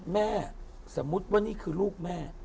แม่สมมุติว่านี่คือลูกแม่